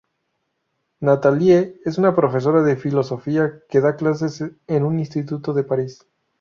Nathalie es una profesora de filosofía que da clases en un instituto de París.